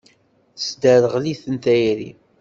Tesderɣel-iten tayri.